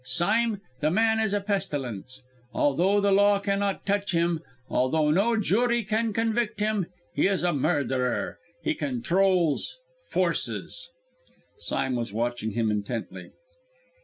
Sime, the man is a pestilence! Although the law cannot touch him, although no jury can convict him he is a murderer. He controls forces " Sime was watching him intently.